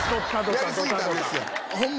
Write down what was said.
やり過ぎたんですよホンマ